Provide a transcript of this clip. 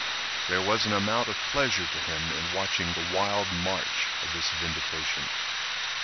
There was an amount of pleasure to him in watching the wild march of this vindication.